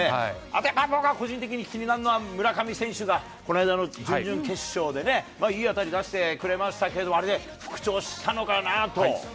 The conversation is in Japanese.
僕は個人的に気になるのは村上選手が、この間の準々決勝でね、いい当たり出してくれましたけれども、あれで復調したのかなと。